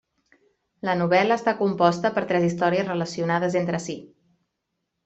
La novel·la està composta per tres històries relacionades entre si.